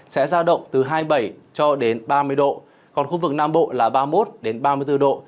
sẽ ra động từ hai mươi bảy ba mươi độ còn khu vực nam bộ là ba mươi một ba mươi bốn độ